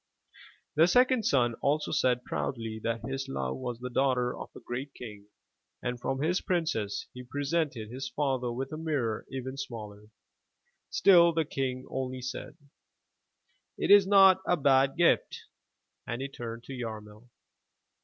The second son also said proudly that his love was the daughter of a great king and from his princess he presented his father with a mirror even smaller. Still the King only said: '*It is not a bad gift,*' and he turned to Yarmil.